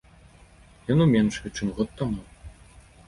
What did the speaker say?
Яно меншае, чым год таму.